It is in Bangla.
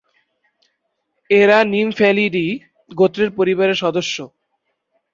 এরা নিমফ্যালিডি গোত্রের পরিবারের সদস্য।।